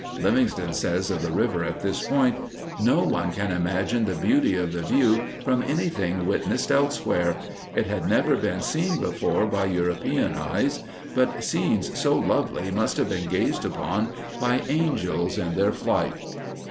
Livingstone says of the river at this point: "No one can imagine the beauty of the view from anything witnessed elsewhere. It had never been seen before by European eyes; but scenes so lovely must have been gazed upon by angels in their flight."